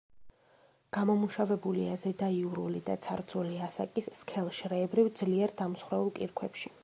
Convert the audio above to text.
გამომუშავებულია ზედაიურული და ცარცული ასაკის სქელშრეებრივ ძლიერ დამსხვრეულ კირქვებში.